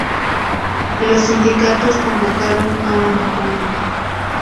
Los sindicatos convocaron a una huelga.